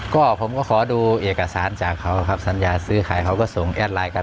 ก็ผมก็ขอดูเอกสารจากเขาครับสัญญาซื้อขายเขาก็ส่งแอดไลน์กัน